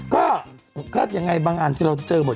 ก็ก็อย่างไรบางอันที่เราจะเจอหมด